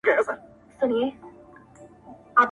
يارانو راټوليږی چي تعويذ ورڅخه واخلو.